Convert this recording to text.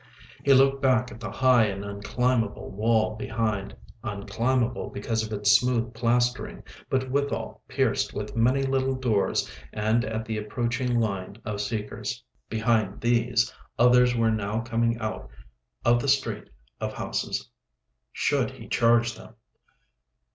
He looked back at the high and unclimbable wall behind—unclimbable because of its smooth plastering, but withal pierced with many little doors and at the approaching line of seekers. Behind these others were now coming out of the street of houses. Should he charge them?